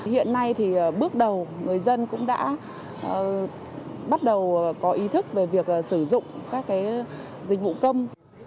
hiện nay thì bước đầu người dân cũng đã bắt đầu có ý thức về việc sử dụng các dịch vụ công